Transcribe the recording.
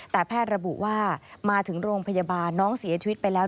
แต่แพทย์ระบุว่ามาถึงโรงพยาบาลน้องเสียชีวิตไปแล้ว